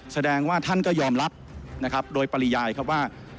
แสดงว่าท่านก็ยอมรับโดยปริญญาณว่า